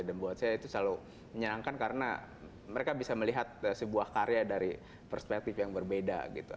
dan buat saya itu selalu menyenangkan karena mereka bisa melihat sebuah karya dari perspektif yang berbeda gitu